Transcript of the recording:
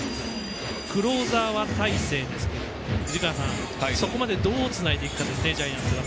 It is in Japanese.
クローザーは大勢ですけどもそこまでどうつないでいくかジャイアンツが。